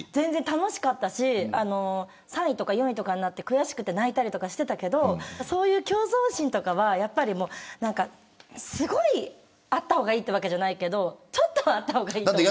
楽しかったし３位４位になって悔しくて泣いたりしてたけどそういう競争心とかはすごいあった方がいいというわけじゃないけれどちょっとはあった方がいい感じ。